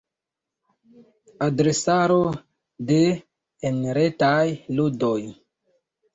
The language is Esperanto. Adresaro de enretaj ludoj.